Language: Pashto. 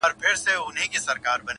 زما غزل تې ستا له حُسنه اِلهام راوړ.